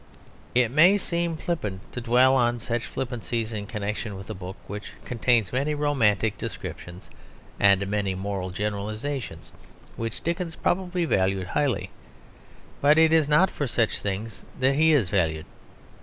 It may seem flippant to dwell on such flippancies in connection with a book which contains many romantic descriptions and many moral generalisations which Dickens probably valued highly. But it is not for such things that he is valued.